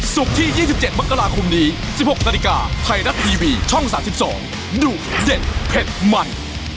ศุกร์ที่๒๗มกราคมนี้๑๖นาฬิกาไทยรัฐทีวีช่อง๓๒ดุเด็ดเผ็ดมัน